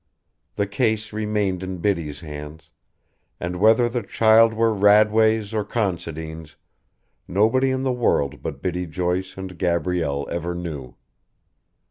The case remained in Biddy's hands, and whether the child were Radway's or Considine's, nobody in the world but Biddy Joyce and Gabrielle ever knew.